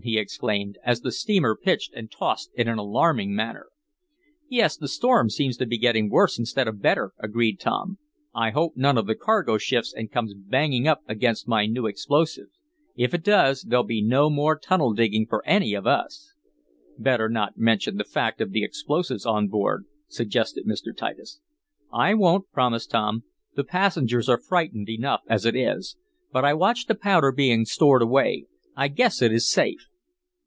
he exclaimed, as the steamer pitched and tossed in an alarming manner. "Yes, the storm seems to be getting worse instead of better," agreed Tom. "I hope none of the cargo shifts and comes banging up against my new explosive. If it does, there'll be no more tunnel digging for any of us." "Better not mention the fact of the explosives on board," suggested Mr. Titus. "I won't," promised Tom. "The passengers are frightened enough as it is. But I watched the powder being stored away. I guess it is safe."